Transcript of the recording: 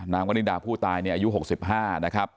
นางอวนิดาผู้ตายอายุ๖๕นะครับ